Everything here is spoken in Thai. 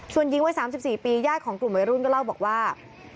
ส่วนยิ่งไว้๓๔ปีญาติของกลุ่มใหม่รุ่นก็เล่าบอกว่า